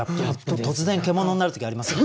突然獣になる時ありますもんね。